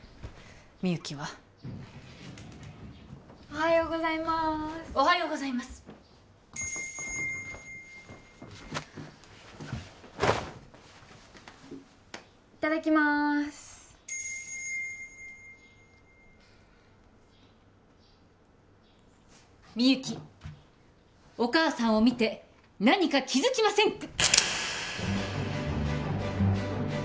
みゆきはおはようございまーすおはようございますいただきまーすみゆきお母さんを見て何か気づきませんか？